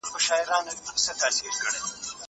زه مخکي کتابتوننۍ سره وخت تېروولی وو!.